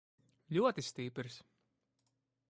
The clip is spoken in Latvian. Ļoti stiprs.